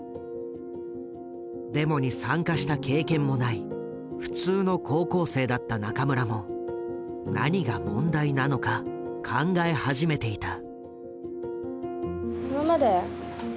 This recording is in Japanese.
デモに参加した経験もない普通の高校生だった仲村も何が問題なのか考え始めていた。